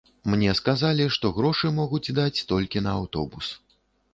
Мне сказалі, што грошы могуць даць толькі на аўтобус.